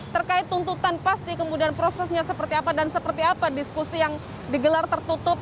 terkait tuntutan pasti kemudian prosesnya seperti apa dan seperti apa diskusi yang digelar tertutup